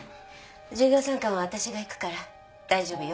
授業参観は私が行くから大丈夫よ。